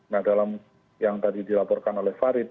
nah dalam yang tadi dilaporkan oleh farid